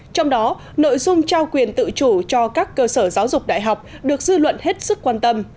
trong đó nội dung trao quyền tự chủ cho các cơ sở giáo dục đại học được dư luận hết sức quan tâm